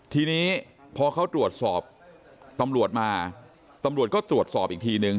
ทีนี้พอเขาตรวจสอบตำรวจมาตำรวจก็ตรวจสอบอีกทีนึง